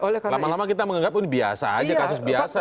lama lama kita menganggap ini biasa aja kasus biasa